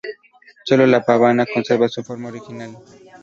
Solo la pavana conserva su forma original.